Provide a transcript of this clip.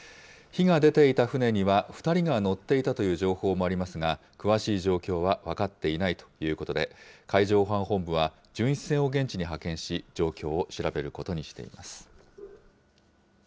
火が出ていた船には、２人が乗っていたという情報もありますが、詳しい状況は分かっていないということで、海上保安本部は、巡視船を現地に派遣し、状況を調べることにしています。